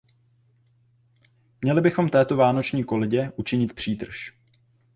Měli bychom této Vánoční koledě učinit přítrž.